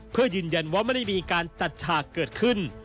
เพื่อยืนยันว่าไม่ได้มีการจัดฉากเกิดขึ้น